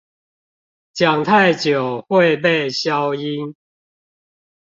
講太久會被消音